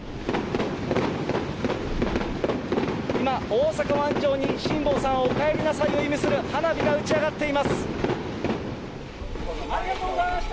今、大阪湾上に辛坊さんおかえりなさいを意味する花火が打ち上がってありがとうございました。